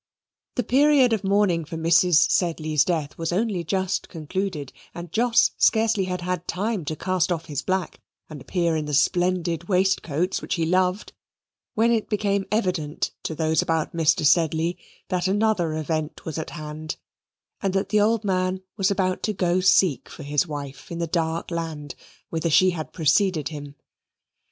The period of mourning for Mrs. Sedley's death was only just concluded, and Jos scarcely had had time to cast off his black and appear in the splendid waistcoats which he loved, when it became evident to those about Mr. Sedley that another event was at hand, and that the old man was about to go seek for his wife in the dark land whither she had preceded him.